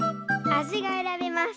あじがえらべます。